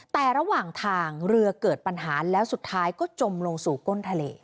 แต่ระหว่างทางเรือเกิดปัญหาแล้วสุดท้ายก็จมลงสู่ก้นทะเล